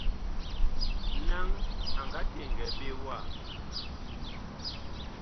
Naŋ a nga teŋgɛɛ ɓe wa ?